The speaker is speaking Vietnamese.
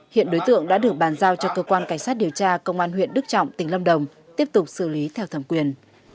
hiện đối tượng đã được bàn giao cho cơ quan cảnh sát điều tra công an huyện đức trọng tỉnh lâm đồng tiếp tục xử lý theo thẩm quyền